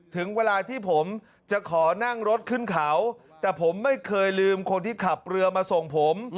ถึงเวลาที่ผมจะขอนั่งรถขึ้นเขาแต่ผมไม่เคยลืมคนที่ขับเรือมาส่งผม